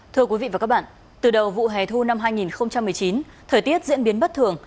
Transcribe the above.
thưa quý vị và các bạn từ đầu vụ hè thu năm hai nghìn một mươi chín thời tiết diễn biến bất thường